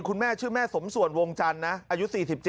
คุณแม่ชื่อแม่สมส่วนวงจันทร์นะอายุ๔๗